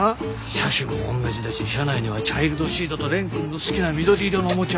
車種も同じだし車内にはチャイルドシートと蓮くんの好きな緑色のおもちゃ。